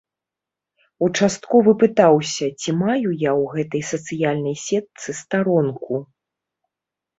Участковы пытаўся, ці маю я ў гэтай сацыяльнай сетцы старонку.